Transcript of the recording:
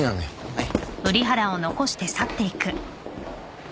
はい。